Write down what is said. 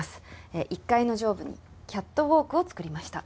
えぇ１階の上部にキャットウオークを作りました。